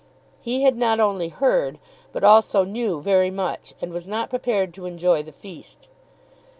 He had not only heard, but also knew very much, and was not prepared to enjoy the feast.